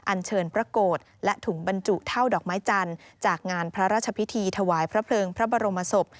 อันเชิญพระโกรธและถุงบรรจุเท่าดอกไม้จันทร์จากงานพระราชพิธีถวายพระเพลิงพระบรมศพ